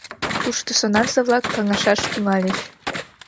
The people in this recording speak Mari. Тушто сонарзе-влак каҥашаш тӱҥальыч.